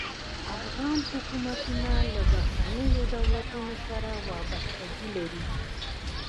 افغان حکومتونه له بهرنیو دولتونو سره وابستګي لري.